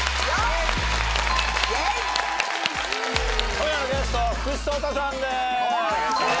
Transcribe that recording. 今夜のゲスト福士蒼汰さんです！